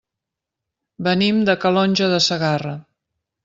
Venim de Calonge de Segarra.